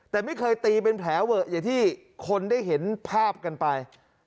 แต่ไม่เคยตีเป็นแผลเวอะอย่างที่คนได้เห็นภาพกันไป